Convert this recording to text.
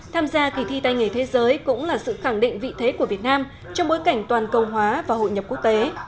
tham gia kỳ thi tay nghề thế giới cũng là sự khẳng định vị thế của việt nam trong bối cảnh toàn cầu hóa và hội nhập quốc tế